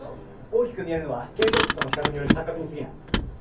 大きく見えるのは建造物との比較による錯覚にすぎない。